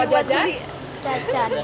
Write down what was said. gak tahu buat jajan